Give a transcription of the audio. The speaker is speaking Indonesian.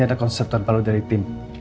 pak ini ada konsep terbaru dari tim